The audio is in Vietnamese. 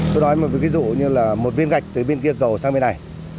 tôi nói một ví dụ như là một viên gạch từ bên kia cầu sang bên này